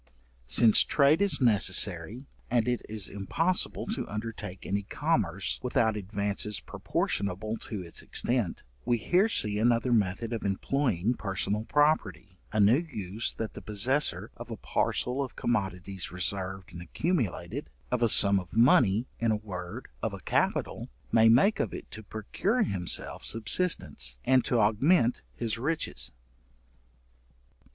Since trade is necessary, and it is impossible to undertake any commerce without advances proportionable to its extent; we here see another method of employing personal property, a new use that the possessor of a parcel of commodities reserved and accumulated, of a sum of money, in a word, of a capital, may make of it to procure himself subsistence, and to augment, his riches.